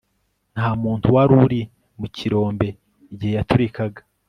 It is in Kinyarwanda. Nta muntu wari uri mu kirombe igihe yaturikaga